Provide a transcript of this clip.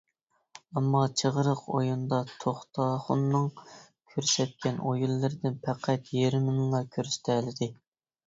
ئەمما چىغرىق ئويۇنىدا توختاخۇننىڭ كۆرسەتكەن ئويۇنلىرىدىن پەقەت يېرىمىنىلا كۆرسىتەلىدى.